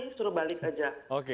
disuruh balik saja